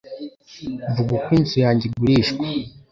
mvuga ko inzu yanjye igurishwa